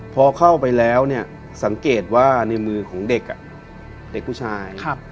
พอเข้าไปแล้วเนี่ยสังเกตว่าในมือของเด็กเด็กผู้ชาย